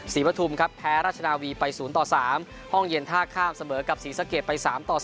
สีพะทุ่มแพ้ราชนาวีไป๐๓ห้องเย็นท่าข้ามเสมอกับศรีสะเกดไป๓๓